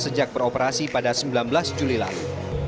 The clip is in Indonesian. sejak beroperasi pada sembilan belas juli lalu